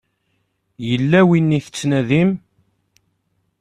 Yella win i tettnadim?